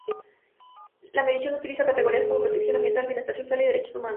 La medición utiliza categorías como protección ambiental, bienestar social y derechos humanos.